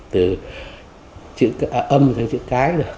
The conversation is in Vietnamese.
từ âm thành chữ k